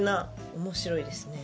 面白いですね。